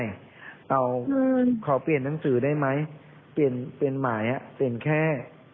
ช้าไปง่ายขอเปลี่ยนหนังสือได้ไหมเปลี่ยนหมายเปลี่ยนแค่